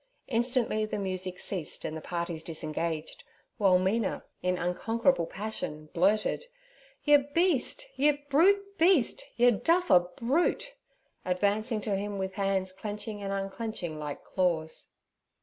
Instantly the music ceased and the parties disengaged, while Mina, in unconquerable passion, blurted: 'Yer beast! yer brute beast! yer duffer brute!' advancing to him with hands clenching and unclenching like claws.